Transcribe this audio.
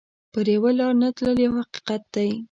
پر یوه لار نه تلل یو حقیقت دی.